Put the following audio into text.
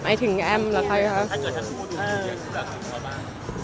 หมายถึงแอมป์เหรอคะอย่างนี้นะครับถ้าเกิดฉันพูดถึงเหมือนกับคุณประมาณ